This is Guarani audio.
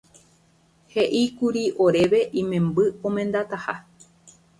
He'íkuri oréve imemby omendataha.